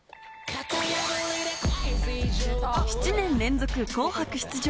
７年連続『紅白』出場。